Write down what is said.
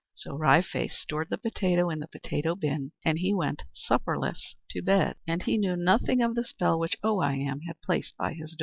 So Wry Face stored the potato in the potato bin, and he went supperless to bed. And he knew nothing of the spell which Oh I Am had placed by his door.